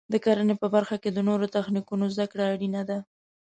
د کرنې په برخه کې د نوو تخنیکونو زده کړه اړینه ده.